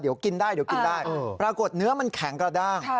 เดี๋ยวกินได้ปรากฏเนื้อมันแข็งกระด้าง